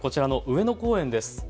まずはこちらの上野公園です。